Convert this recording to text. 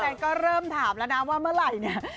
แฟนก็เริ่มถามแล้วนะว่าเมื่อไหร่เนี่ย